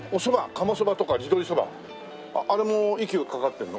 鴨そばとか地鶏そばあれも息がかかってるの？